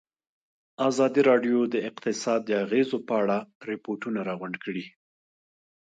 ازادي راډیو د اقتصاد د اغېزو په اړه ریپوټونه راغونډ کړي.